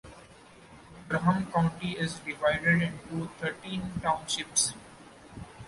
Graham County is divided into thirteen townships.